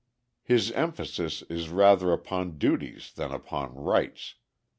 His emphasis is rather upon duties than upon rights.